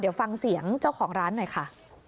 เดี๋ยวฟังเสียงเจ้าของร้านหน่อยค่ะ